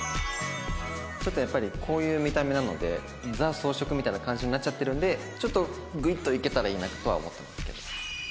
ちょっとやっぱりこういう見た目なのでザ・草食みたいな感じになっちゃってるのでちょっとグイッといけたらいいなとは思ってますけど。